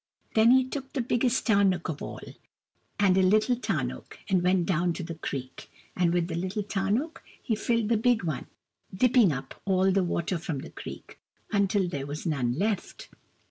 Then he took the biggest tarnuk of all, and a little tarnuk, and went do\Mi to the creek : and with the little tarnuk he filled the big one, dipping up all the water from the creek, until there was none left.